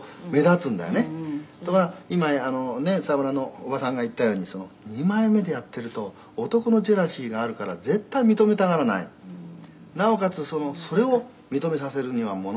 「ところが今沢村の叔母さんが言ったように二枚目でやっていると男のジェラシーがあるから絶対認めたがらない」「なおかつそれを認めさせるにはものすごいエネルギーがかかると」